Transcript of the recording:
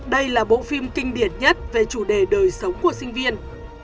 đây là bộ phim kinh điển nhất về chủ đề đời sống của sinh viên